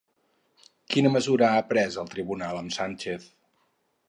Quina mesura ha pres el Tribunal amb Sànchez?